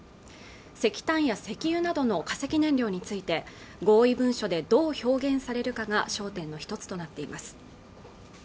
石炭や石油などの化石燃料について合意文書でどう表現されるかが焦点の一つとなっています